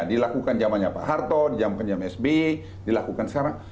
dilakukan jamannya pak harto jam jam sbi dilakukan sekarang